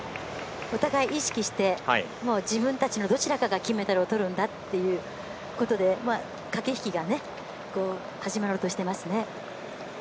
お互い意識して自分たちのどちらかが金メダルをとるんだっていうことで駆け引きが始まろうとしています。